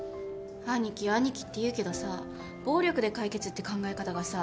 アニキアニキって言うけどさ暴力で解決って考え方がさ。